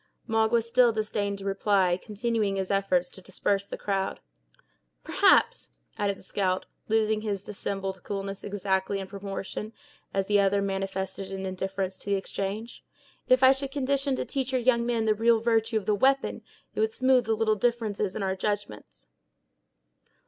Magua still disdained to reply, continuing his efforts to disperse the crowd. "Perhaps," added the scout, losing his dissembled coolness exactly in proportion as the other manifested an indifference to the exchange, "if I should condition to teach your young men the real virtue of the we'pon, it would smoothe the little differences in our judgments."